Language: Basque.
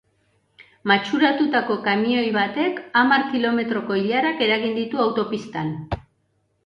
Matxuratutako kamioi batek hamar kilometroko ilarak eragin ditu autopistan.